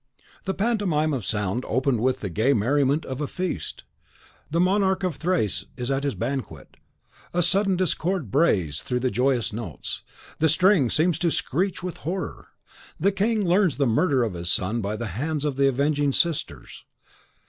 The pantomime of sound opened with the gay merriment of a feast. The monarch of Thrace is at his banquet; a sudden discord brays through the joyous notes, the string seems to screech with horror. The king learns the murder of his son by the hands of the avenging sisters.